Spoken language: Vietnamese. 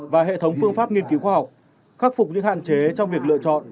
và hệ thống phương pháp nghiên cứu khoa học khắc phục những hạn chế trong việc lựa chọn